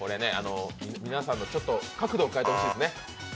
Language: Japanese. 皆さんの角度を変えてほしいですね。